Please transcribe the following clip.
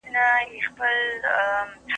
مطالعه انسان ته د سلیم قضاوت توان ورکوي.